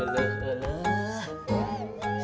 udah pulang pak